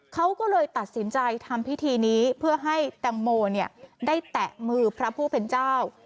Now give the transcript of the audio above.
เขาก็เลยตัดสินใจทำพิธีนี้เพื่อให้แตงโมได้แตะมือพระผู้เป็นเจ้า